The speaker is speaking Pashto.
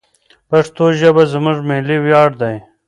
پښتو ژبه زموږ ملي ویاړ دی.